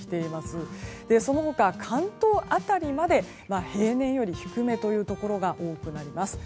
その他、関東辺りまで平年より低めのところが多くなります。